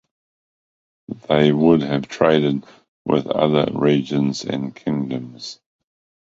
They would have traded with other regions and kingdoms.